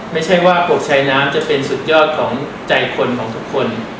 ไม่ใช่ว่าปกชายน้ำจะเป็นสุดยอดของใจคนของทุกคน